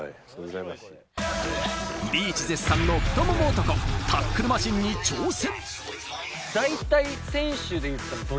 リーチ絶賛の太もも男、タックルマシーンに挑戦。